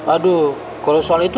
aduh kalau soal itu